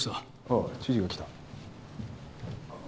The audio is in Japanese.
あっ知事が来た。